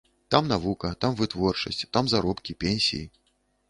Там навука, там вытворчасць, там заробкі, пенсіі.